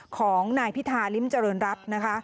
ของนายพิธาริมเจริญรัฐนะคะ